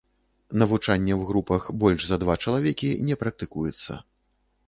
Навучанне ў групах больш за два чалавекі не практыкуецца.